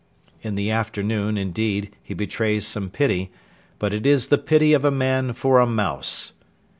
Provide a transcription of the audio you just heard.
In the afternoon, indeed, he betrays some pity; but it is the pity of a man for a mouse.